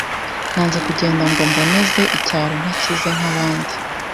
Nanze kugenda ngo mboneze icyaro ntakize nk'abandi